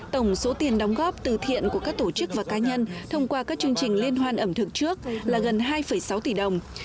tổng số tiền đóng góp từ thiện của các tổ chức và cá nhân thông qua các chương trình liên hoan ẩm thực trước là gần hai sáu tỷ đồng